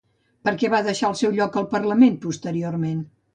Per què va deixar el seu lloc al Parlament posteriorment?